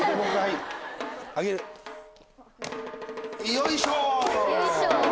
よいしょ！